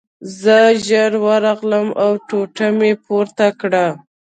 زه ژر ورغلم او ټوټه مې پورته کړه